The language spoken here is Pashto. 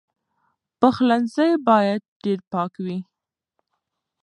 پخلنځی باید ډېر پاک وي.